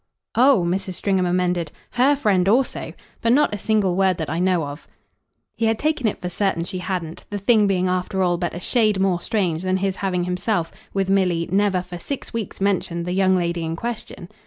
"Oh," Mrs. Stringham amended, "HER friend also. But not a single word that I know of." He had taken it for certain she hadn't the thing being after all but a shade more strange than his having himself, with Milly, never for six weeks mentioned the young lady in question.